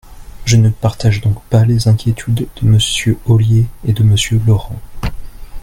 Je ne partage donc pas les inquiétudes de Monsieur Ollier et de Monsieur Laurent.